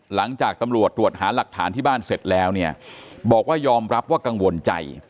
หลังจากตำรวจตรวจหาหลักฐานที่บ้านเสร็จแล้วเนี่ยบอกว่ายอมรับว่ากังวลใจ